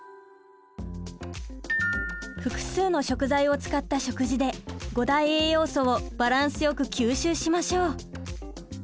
複数の食材を使った食事で５大栄養素をバランスよく吸収しましょう。